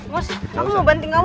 mas aku mau banting kamu